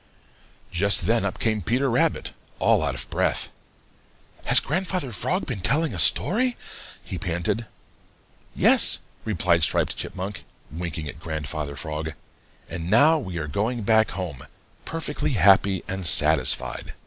Just then up came Peter Rabbit, all out of breath. "Has Grandfather Frog been telling a story?" he panted. "Yes," replied Striped Chipmunk, winking at Grandfather Frog, "and now we are going back home perfectly happy and satisfied."